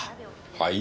はい？